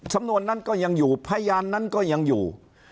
สำนวนนั้นก็ยังอยู่พยานนั้นก็ยังอยู่